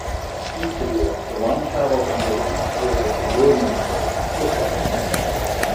East of here, the line travels under the East River to Williamsburg, Brooklyn.